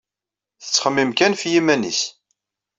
Tettxemmim kan ɣef yiman-is